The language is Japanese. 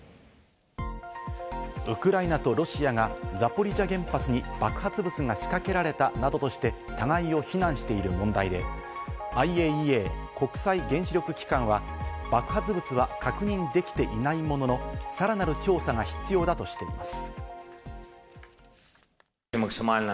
ウクライナとロシアがザポリージャ原発に爆発物が仕掛けられたなどとして、互いを非難している問題で、ＩＡＥＡ＝国際原子力機関は爆発物は確認できていないものの、さらなる調査が必要だとしています。